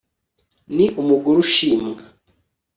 Ni umugore ushimwa